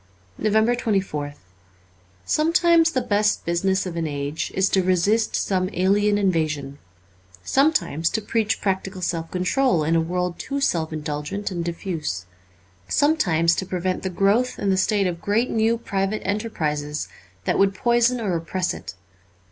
* 363 NOVEMBER 24th SOMETIMES ji the best business of an age is to resist some alien invasion ; some times to preach practical self control in a world too self indulgent and diffuse ; sometimes to prevent the growth in the state of great new private enterprises that would poison or oppress it.